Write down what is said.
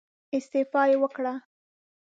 استعفا يې وکړه.